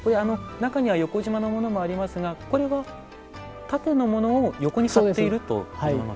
中には横じまのものもありますがこれは縦のものを横に貼っているというものですか？